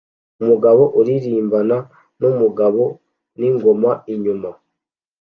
Umugore uririmbana numugabo n'ingoma inyuma